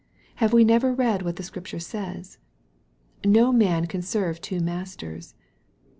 Have we never read what the Scripture says ?" No man can serve two masters."